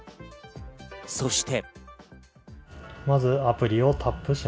そして。